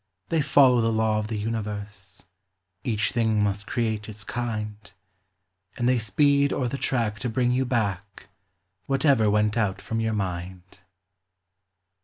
They follow the law of the universe— Each thing must create its kind; And they speed o'er the track to bring you back Whatever went out from your mind.